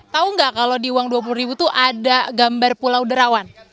tahu nggak kalau di uang dua puluh ribu itu ada gambar pulau derawan